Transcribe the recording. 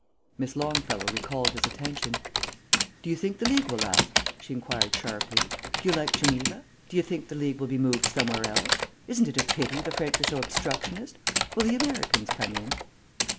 Miss Longfellow recalled his attention. "Do you think the League will last?" she inquired sharply. "Do you like Geneva? Do you think the League will be moved somewhere else? Isn't it a real pity the French are so obstructionist? Will the Americans come in?"